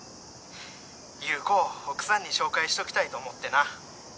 「裕子を奥さんに紹介しときたいと思ってな」